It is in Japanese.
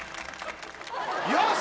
よし！